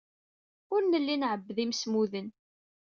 Ur nelli nɛebbed imsemmuden.